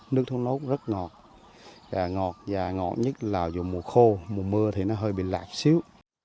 nước thốt nốt rất ngọt và ngọt nhất là dù mùa khô mùa mưa thì nó hơi bị lạc xíu